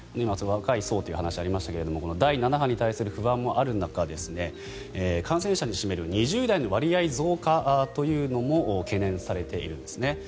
今、若い層という話がありましたが第７波に対する不安もある中で感染者に占める２０代の割合増加というのも懸念されているんです。